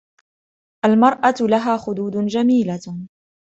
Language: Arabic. المرأة لها خدود جميلة.